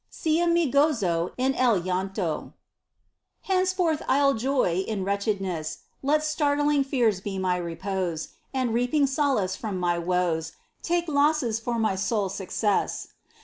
Sea mi gozo en el llanto. Henceforth I'll joy in wretchedness, Let startling fears be my repose, And reaping solace from my woes Take losses for my sole success